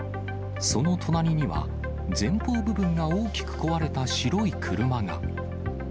その隣には、前方部分が大きく壊れた白い車が。